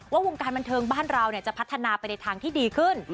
วงการบันเทิงบ้านเราจะพัฒนาไปในทางที่ดีขึ้น